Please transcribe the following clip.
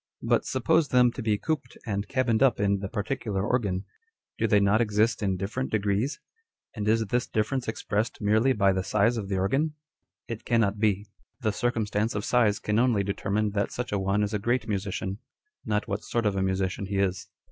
But suppose them to be cooped and cabined up in the particular organ : â€" do they not exist in different degrees, and is this difference expressed merely by the size of the organ ? â€" It cannot be. The circumstance of size can only determine that such a one is a great musician ; not what sort of a musician he is.